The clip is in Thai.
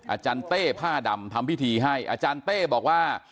อาจารย์เต้ผ้าดำทำพิธีให้อาจารย์เต้บอกว่า